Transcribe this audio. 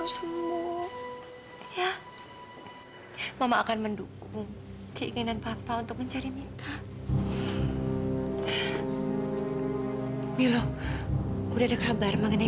suami dia aja bukan malah ribut kayak gini